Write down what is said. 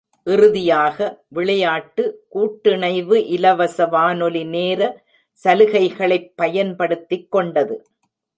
இறுதியாக, விளையாட்டு கூட்டிணைவு இலவச வானொலி நேர சலுகைகளைப் பயன்படுத்திக் கொண்டது.